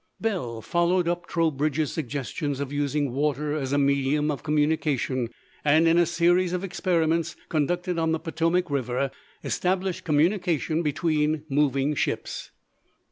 Bell followed up Trowbridge's suggestions of using the water as a medium of communication, and in a series of experiments conducted on the Potomac River established communication between moving ships.